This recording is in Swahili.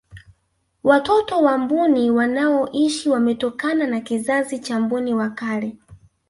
watoto wa mbuni wanaoishi wametokana na kizazi cha mbuni wa kale